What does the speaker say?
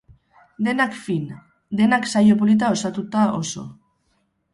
Denak fin, denak saio polita osatuta oso.